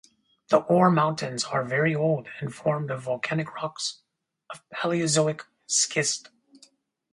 The Ore Mountains are very old and formed of volcanic rocks or Palaeozoic schist.